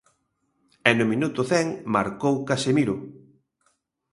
E no minuto cen marcou Casemiro.